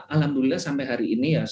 alhamdulillah sampai hari ini ya